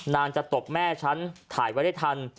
นางจะตบแม่ฉันถ่ายไว้ได้ทัน